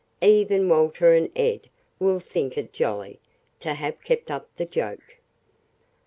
Even Walter and Ed will think it jolly to have kept up the joke.